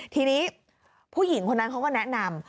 ทีนี้ผู้หญิงคนนั้นเขาก็แนะนำ